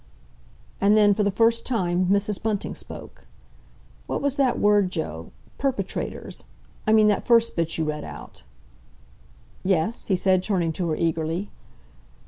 And then, for the first time, Mrs. Bunting spoke: "What was that word, Joe—'perpetrators'? I mean that first bit you read out." "Yes," he said, turning to her eagerly.